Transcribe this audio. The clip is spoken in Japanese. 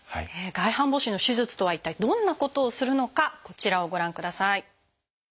外反母趾の手術とは一体どんなことをするのかこちらをご覧ください。